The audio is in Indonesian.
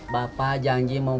bapak janji mau pulang